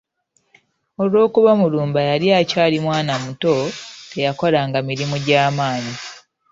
Olw’okuba Mulumba yali akyali mwana muto, teyakolanga mirimu gya maannyi.